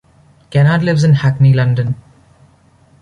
Kennard lives in Hackney, London.